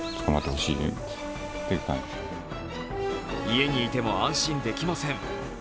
家にいても安心できません。